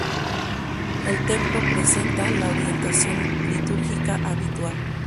El templo presenta la orientación litúrgica habitual.